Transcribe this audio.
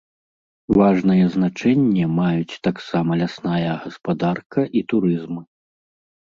Важнае значэнне маюць таксама лясная гаспадарка і турызм.